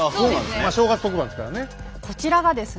まあ正月特番ですからね。